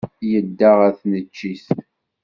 Yedda ɣer tneččit.